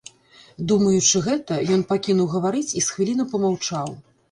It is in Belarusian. Думаючы гэта, ён пакінуў гаварыць і з хвіліну памаўчаў.